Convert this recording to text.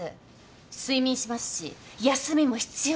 睡眠しますし休みも必要なんです。